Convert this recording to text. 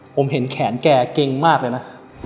ผมเห็นแขนแกเก่งมากเลยนะ